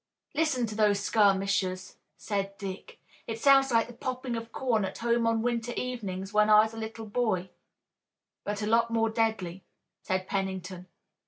"Listen to those skirmishers," said Dick. "It sounds like the popping of corn at home on winter evenings, when I was a little boy." "But a lot more deadly," said Pennington.